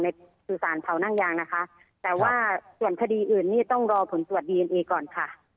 สื่อสารเผานั่งยางนะคะแต่ว่าส่วนคดีอื่นนี่ต้องรอผลตรวจดีเอ็นเอก่อนค่ะ